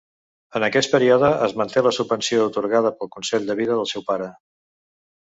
En aquest període es manté la subvenció atorgada pel consell en vida del seu pare.